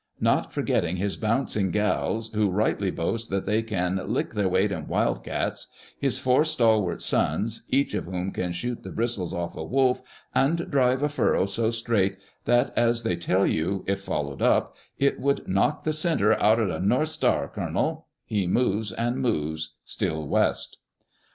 Not forgetting his bouncing "gals," who rightly boast that they can "lick their weight in wild cats," his four stalwart sons, each of whom can shoot the bristles off a wolf and drive a furrow so straight that, as they tell you, if followed up, it would " knock the centre out'er the north star, colonel," he moves, and moves, still West.